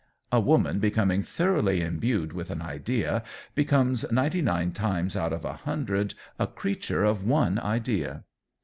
A woman, becoming thoroughly imbued with an idea, becomes, ninety nine times out of a hundred, a creature of one idea.